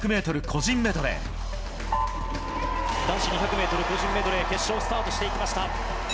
個人メドレー決勝スタートしていきました。